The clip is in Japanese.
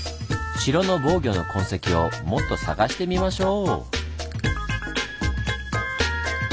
城の防御の痕跡をもっと探してみましょう！